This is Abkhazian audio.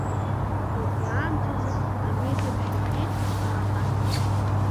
Убри аамҭазы амедеҳәшьагьы дааҳадгылт.